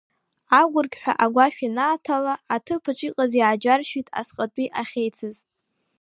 Агәырқьҳәа агәашә ианааҭала, аҭыԥаҿ иҟаз иааџьаршьеит асҟатәи ахьеицыз.